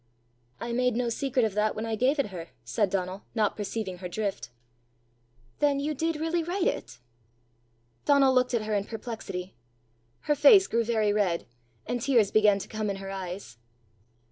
"I made no secret of that when I gave it her," said Donal, not perceiving her drift. "Then you did really write it?" Donal looked at her in perplexity. Her face grew very red, and tears began to come in her eyes.